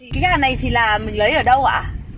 cái nhà này thì là mình lấy ở đâu ạ